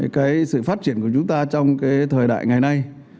cái sự phát triển của chúng ta trong cái thời đại ngày nay